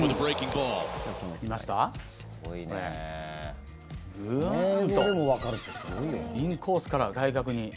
グーンとインコースから外角に。